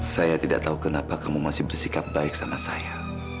saya tidak tahu kenapa kamu masih bersikap baik sama saya